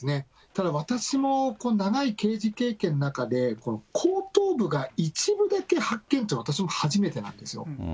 ただ私も長い刑事経験の中で、後頭部が一部だけ発見って、私も初めてなんですよ。